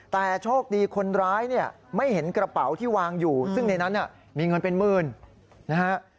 แต่โชคดีคนร้ายเนี่ยไม่เห็นกระเป๋าที่วางอยู่ซึ่งในนั้นมีเงินเป็นหมื่นนะฮะ